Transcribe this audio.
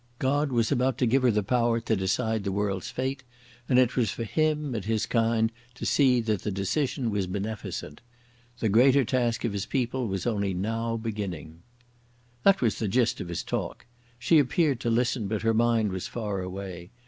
God was about to give her the power to decide the world's fate, and it was for him and his kind to see that the decision was beneficent. The greater task of his people was only now beginning. That was the gist of his talk. She appeared to listen, but her mind was far away.